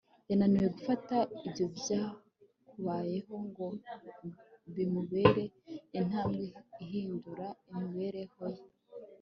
yananiwe gufata ibyo byakubayeho ngo bimubere intambwe ihindura imibereho ye